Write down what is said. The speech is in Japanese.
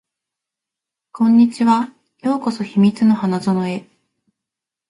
こんにちは。ようこそ秘密の花園へ